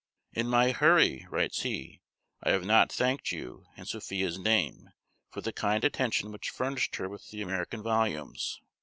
"In my hurry," writes he, "I have not thanked you, in Sophia's name, for the kind attention which furnished her with the American volumes.